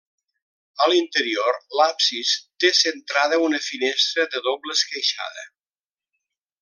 A l'interior, l'absis té centrada una finestra de doble esqueixada.